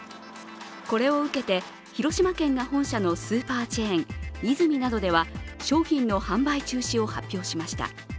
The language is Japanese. これを受けて広島県が本社のスーパーチェーン、イズミなどでは商品の販売中止を発表しました。